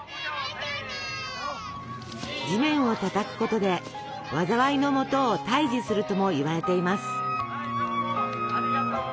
地面をたたくことで災いのもとを退治するともいわれています。